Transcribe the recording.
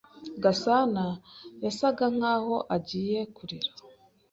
Gasana yasaga nkaho agiye kurira.